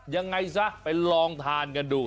ยังไงซะไปลองทานกันดู